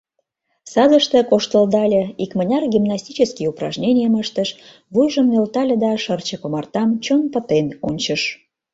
Садыште коштылдале, икмыняр гимнастический упражненийым ыштыш, вуйжым нӧлтале да шырчык омартам чон пытен ончыш.